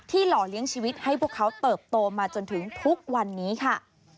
หล่อเลี้ยงชีวิตให้พวกเขาเติบโตมาจนถึงทุกวันนี้ค่ะ